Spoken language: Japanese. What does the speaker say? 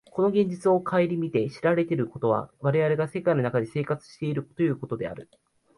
この現実を顧みて知られることは、我々が世界の中で生活しているということである。